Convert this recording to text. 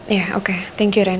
ya oke thank you ren